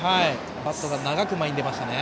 バットが長く前に出ましたね。